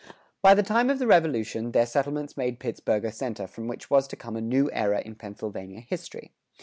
By the time of the Revolution, their settlements made Pittsburgh a center from which was to come a new era in Pennsylvania history.